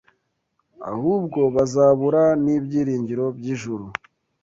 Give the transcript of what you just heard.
ahubwo bazabura n’ibyiringiro by’ijuru